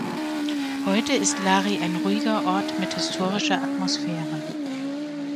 Heute ist Lari ein ruhiger Ort mit historischer Atmosphäre.